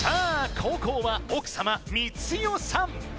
後攻は奥様・光代さん